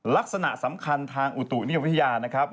ลักษณะสำคัญทางอุตุนิยมวิทยานะครับ